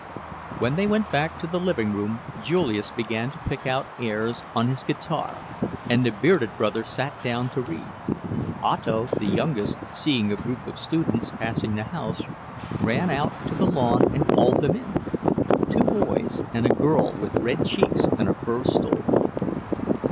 When they went back to the living room Julius began to pick out airs on his guitar, and the bearded brother sat down to read. Otto, the youngest, seeing a group of students passing the house, ran out on to the lawn and called them in, two boys, and a girl with red cheeks and a fur stole.